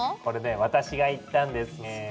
これね私が行ったんですね。